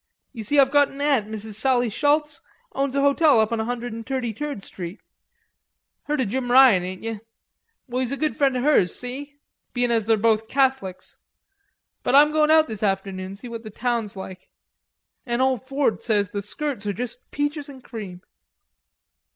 You see, I've got an aunt, Mrs. Sallie Schultz, owns a hotel on a Hundred and Tirty tird street. Heard of Jim O'Ryan, ain't yer? Well, he's a good friend o' hers; see? Bein' as they're both Catholics... But I'm goin' out this afternoon, see what the town's like... an ole Ford says the skirts are just peaches an' cream."